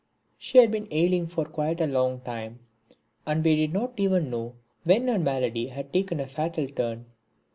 She had been ailing for quite a long time, and we did not even know when her malady had taken a fatal turn.